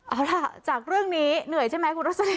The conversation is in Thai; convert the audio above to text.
เอาล่ะจากเรื่องนี้เหนื่อยใช่ไหมคุณรสลิน